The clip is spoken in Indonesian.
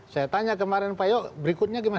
saya tanya kemarin pak yo berikutnya gimana